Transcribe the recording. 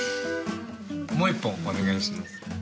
もう１本お願いします。